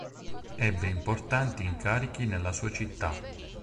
Ebbe importanti incarichi nella sua città.